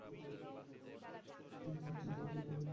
তবে, চলো আগে খাই।